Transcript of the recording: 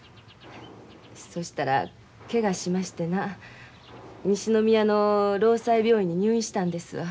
そしたらけがしましてな西宮の労災病院に入院したんですわ。